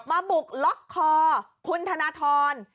มาบุกล๊อคคอคุณธนทร